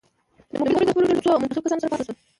نوموړی د خپلو ډلو څو منتخب کسانو سره پاته شول.